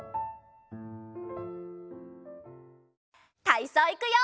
たいそういくよ！